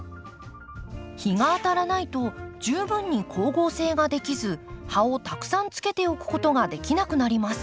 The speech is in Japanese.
日が当たらないと十分に光合成ができず葉をたくさんつけておくことができなくなります。